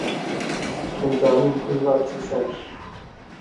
কিন্তু আমি ভুল ভাবছি স্যার।